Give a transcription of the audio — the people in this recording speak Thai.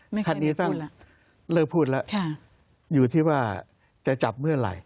ไม่เคยได้พูดแล้วเลิกพูดแล้วค่ะอยู่ที่ว่าจะจับเมื่อไหร่